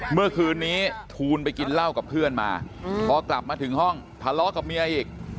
เมื่อคืนนี้ทูลไปกินเหล้ากับเพื่อนมาพอกลับมาถึงห้องทะเลาะกับเมียอีก